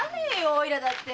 おいらだって！